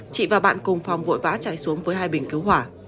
chị và bạn cùng phòng vội vã chạy xuống với hai bình cứu hỏa